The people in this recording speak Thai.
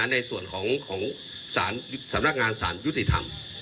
ในส่วนของสำนักงานสารยุติธรรม